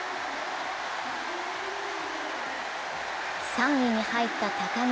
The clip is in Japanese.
３位に入った高木。